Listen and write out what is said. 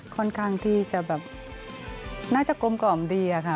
ค่อนข้างที่จะแบบน่าจะกลมกล่อมดีอะค่ะ